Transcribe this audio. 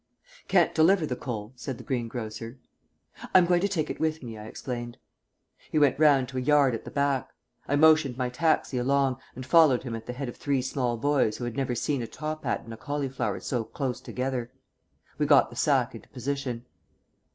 "Can't deliver the coal," said the greengrocer. "I'm going to take it with me," I explained. He went round to a yard at the back. I motioned my taxi along and followed him at the head of three small boys who had never seen a top hat and a cauliflower so close together. We got the sack into position.